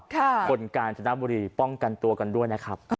คนกาญจนบุรีป้องกันตัวกันด้วยนะครับ